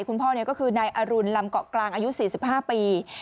คุณพ่อก็คือนายอรุณลำเกาะกลางอายุ๔๕ปี